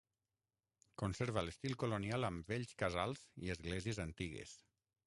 Conserva l'estil colonial amb vells casals i esglésies antigues.